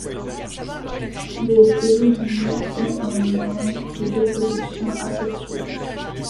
Les bdelloïdes ont un mode de reproduction asexué.